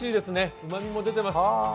うまみも出てます。